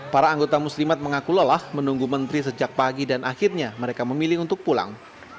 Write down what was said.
para anggota muslimat mengaku lelah menunggu menteri sejak pagi dan akhirnya mereka memilih untuk pulang